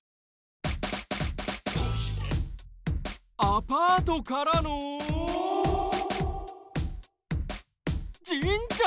アパートからの神社！？